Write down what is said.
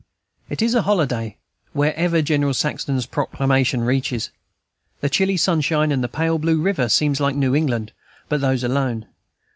It is a holiday wherever General Saxton's proclamation reaches. The chilly sunshine and the pale blue river seems like New England, but those alone.